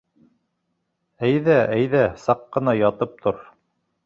Әйҙә, әйҙә саҡ ҡына ятып тор.